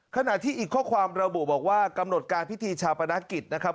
ขณะที่อีกข้อความระบุบอกว่ากำหนดการพิธีชาปนกิจนะครับ